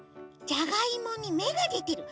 じゃがいもにめがでてる。